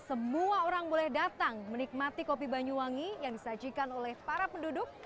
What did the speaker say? semua orang boleh datang menikmati kopi banyuwangi yang disajikan oleh para penduduk